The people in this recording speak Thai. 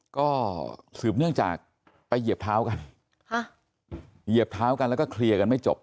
ก็สืบเนื่องจากไปเหยียบเท้ากันเหยียบเท้ากันแล้วก็เคลียร์กันไม่จบ